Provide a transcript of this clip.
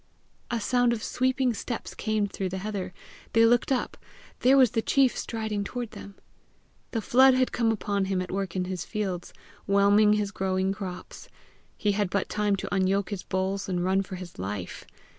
A sound of sweeping steps came through the heather. They looked up: there was the chief striding toward them. The flood had come upon him at work in his fields, whelming his growing crops. He had but time to unyoke his bulls, and run for his life.